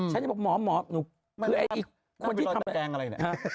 ฉันจะบอกหมอหมอหนูคือไอ้อีกคนที่ทำอะไร